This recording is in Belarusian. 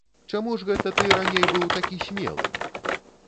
Чаму ж гэта ты раней быў такі смелы?!